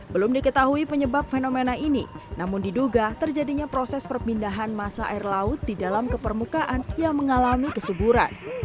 belum diketahui penyebab fenomena ini namun diduga terjadinya proses perpindahan masa air laut di dalam kepermukaan yang mengalami kesuburan